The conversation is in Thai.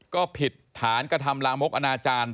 ก็ผิดฐานกระทำลามกอนาจารย์